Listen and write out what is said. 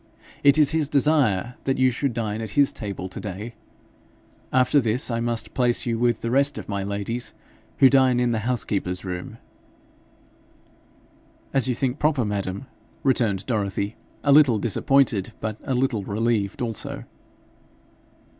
It is his desire that you should dine at his table to day. After this I must place you with the rest of my ladies, who dine in the housekeeper's room.' 'As you think proper, madam,' returned Dorothy, a little disappointed, but a little relieved also.